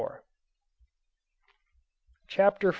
CHAPTER V.